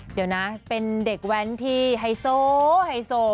เดี๋ยวนะเป็นเด็กแว้นที่ไฮโซไฮโซ